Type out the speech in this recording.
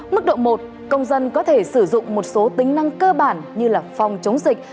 mức độ một công dân có thể sử dụng một số tính năng cơ bản như là phòng chống dịch